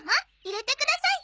入れてください！